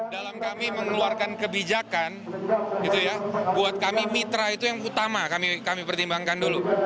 dalam kami mengeluarkan kebijakan buat kami mitra itu yang utama kami pertimbangkan dulu